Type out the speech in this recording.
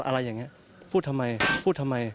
อะไรอย่างนี้พูดทำไม